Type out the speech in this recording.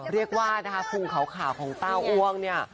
เรียกว่านะคะพุงขาวของเต้าอ้วงเนี่ย